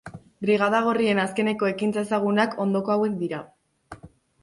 Brigada Gorrien azkeneko ekintza ezagunak ondoko hauek dira.